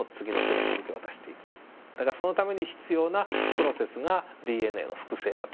だからそのために必要なプロセスがＤＮＡの複製だと。